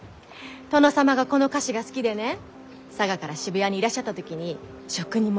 殿様がこの菓子が好きでね佐賀から渋谷にいらっしゃった時に職人も連れてきたって。